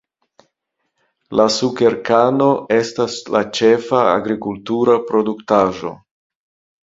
La sukerkano estas la ĉefa agrikultura produktaĵo.